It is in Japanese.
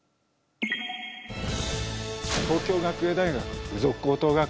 東京学芸大学附属高等学校の田中です。